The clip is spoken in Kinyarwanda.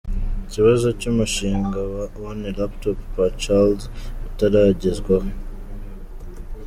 Ikibazo cy’umushinga wa One Laptop per Child utaragezweho